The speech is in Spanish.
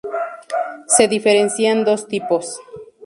Se diferencian dos tipos.